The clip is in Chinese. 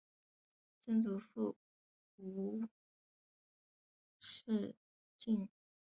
曾祖父吴仕敬。